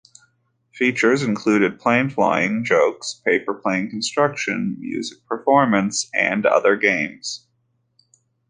Features included plane flying, jokes, paper plane construction, music performance, and other games.